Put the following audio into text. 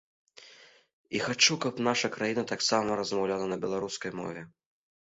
І хачу, каб наша краіна таксама размаўляла на беларускай мове.